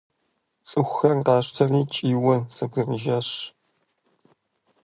ЦӀыкӀухэр къащтэри кӀийуэ зэбгрыжащ.